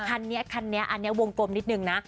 อันนี้อันนี้วงกลมนิดนึงนะ